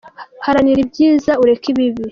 Haranira ibyiza ureke ibibi.